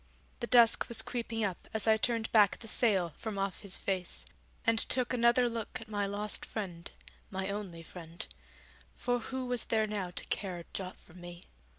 The dusk was creeping up as I turned back the sail from off his face and took another look at my lost friend, my only friend; for who was there now to care a jot for me?